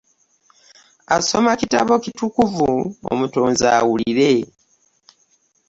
Asoma kitabo kitukuvu, omutonzi awulire.